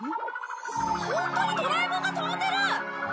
ホントにドラえもんが飛んでる！